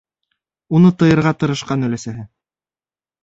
Уны тыйырға тырышҡан өләсәһе: